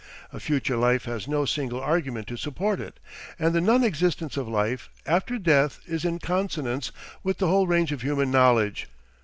A future life has no single argument to support it, and the non existence of life after death is in consonance with the whole range of human knowledge.